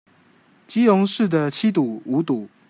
基隆市的七堵、五堵